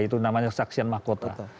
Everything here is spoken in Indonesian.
itu namanya saksian mahkota